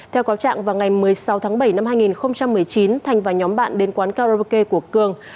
theo cáo trạng vào ngày một mươi sáu tháng bảy năm hai nghìn một mươi chín thành và nhóm bạn đến quán karaoke của cường